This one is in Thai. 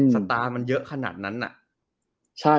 สตาร์มันเยอะขนาดนั้นน่ะ